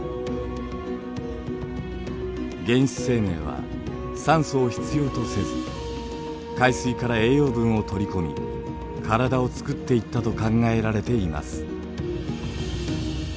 原始生命は酸素を必要とせず海水から栄養分を取り込み体をつくっていったと考えられています。